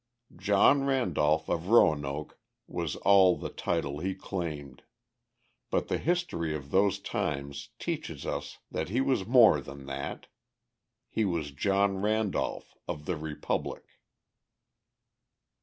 "John Randolph of Roanoke," was all the title he claimed; but the history of those times teaches us that he was more than that he was John Randolph, of the Republic.